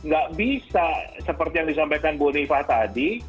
gak bisa seperti yang disampaikan bu unifah tadi